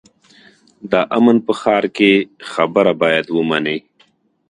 د امن په ښار کې خبره باید ومنې.